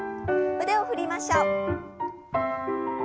腕を振りましょう。